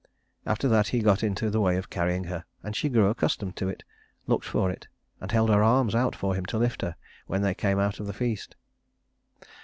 After that he got into the way of carrying her, and she grew accustomed to it, looked for it, and held her arms out for him to lift her when they came out of the feast.